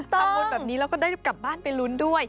ทำบุญแบบนี้แล้วก็ได้กลับบ้านไปลุ้นด้วย